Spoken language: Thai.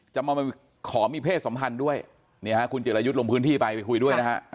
จะมาขอมีเพศสัมพันธ์ด้วยนี่ฮะคุณจิรายุทธ์ลงพื้นที่ไปไปคุยด้วยนะฮะ